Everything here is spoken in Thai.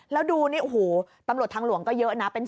แล้วดูนี่โอ้โหตำรวจทางหลวงก็เยอะนะ